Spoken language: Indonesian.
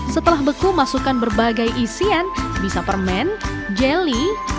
setelah beku masukkan berbagai isian bisa permen jeli